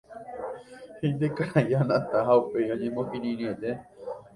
he'ínte karai Anata ha upéi oñemokirirĩete.